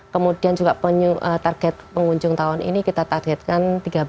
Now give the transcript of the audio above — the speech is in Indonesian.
kemudian juga target pengunjung tahun ini kita targetkan tiga belas